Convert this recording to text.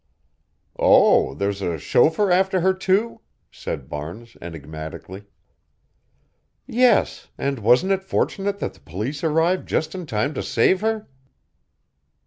"Oh, there's a chauffeur after her, too?" said Barnes, enigmatically. "Yes, and wasn't it fortunate that the police arrived just in time to save her."